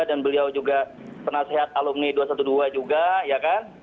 dan beliau juga penasehat alumni dua ratus dua belas juga ya kan